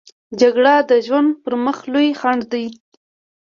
جګړه د ژوند پر مخ لوی خنډ دی